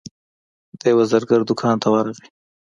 د یوه زرګر دوکان ته ورغی.